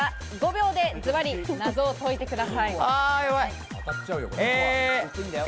５秒でズバリ謎を解いてください。